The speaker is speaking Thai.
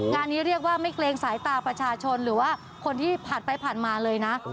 งานนี้เรียกว่าไม่เกรงสายตาประชาชนหรือว่าคนที่ผ่านไปผ่านมาเลยนะ